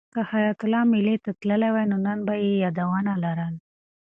که حیات الله مېلې ته تللی وای نو نن به یې یادونه لرل.